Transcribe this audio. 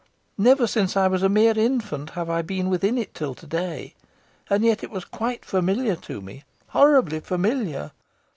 Never since I was a mere infant have I been within it till to day, and yet it was quite familiar to me horribly familiar.